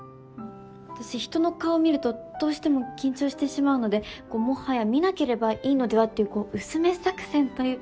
私人の顔見るとどうしても緊張してしまうのでもはや見なければいいのではっていう薄目作戦というか。